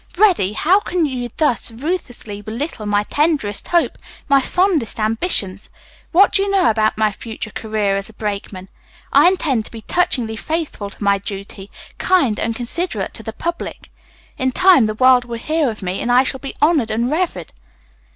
"Reddy, how can you thus ruthlessly belittle my tenderest hope, my fondest ambitions? What do you know about my future career as a brakeman? I intend to be touchingly faithful to my duty, kind and considerate to the public. In time the world will hear of me and I shall be honored and revered."